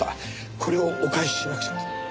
これをお返ししなくちゃと。